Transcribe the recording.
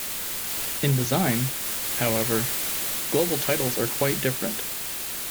In design, however, global titles are quite different.